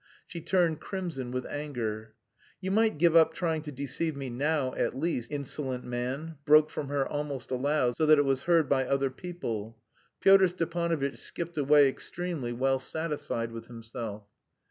She turned crimson with anger. "You might give up trying to deceive me now at least, insolent man!" broke from her almost aloud, so that it was heard by other people. Pyotr Stepanovitch skipped away extremely well satisfied with himself.